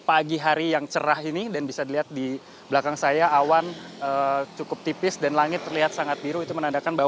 pagi hari yang cerah ini dan bisa dilihat di belakang saya awan cukup tipis dan langit terlihat sangat biru itu menandakan bahwa